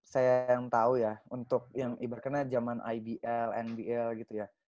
saya yang tau ya untuk yang ibarat karena jaman ibl nbl gitu ya